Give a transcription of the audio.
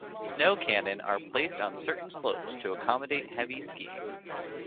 Snow cannon are placed on certain slopes to accommodate heavy skiing.